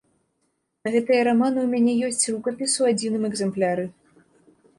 На гэтыя раманы ў мяне ёсць рукапіс у адзіным экзэмпляры.